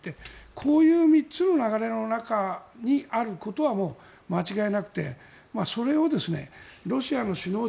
こういう３つの流れの中にあることはもう間違いなくてそれをロシアの首脳陣